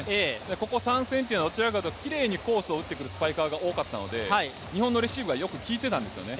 ここ３戦というのはどちらかというときれいにコースを打ってくるスパイカーが多かったので日本のレシーブはよく効いていたんですよね。